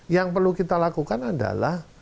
yang perlu kita lakukan adalah